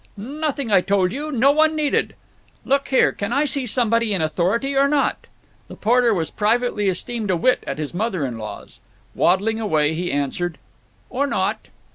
"Nothing, I told you. No one needed." "Look here; can I see somebody in authority or not?" The porter was privately esteemed a wit at his motherin law's. Waddling away, he answered, "Or not."